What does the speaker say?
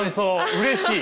うれしい。